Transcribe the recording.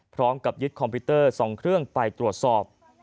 พร้อมกับยึดคอมพิวเตอร์๒เครื่องไปตรวจสอบ